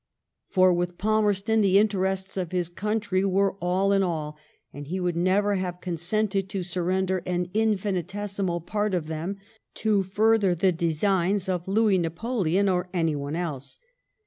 For with Palmerston the interests of his country were all in all, and he would never have consented to surrender aa infinitesimal part of. them to further the designs of Louis Napoleon or anyone else.